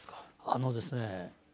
あのですね